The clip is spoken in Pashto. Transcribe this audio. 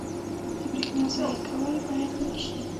• د برېښنا ضایع کول باید ونه شي.